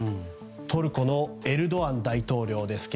トルコのエルドアン大統領です。